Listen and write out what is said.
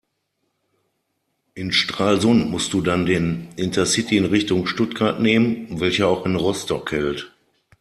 In Stralsund musst du dann den Intercity in Richtung Stuttgart nehmen, welcher auch in Rostock hält.